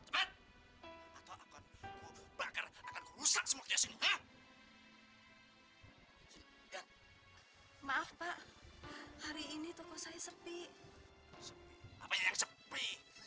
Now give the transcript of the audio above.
maaf pak hari ini toko saya sepi